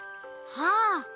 ああ！